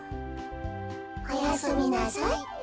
おやすみなさい。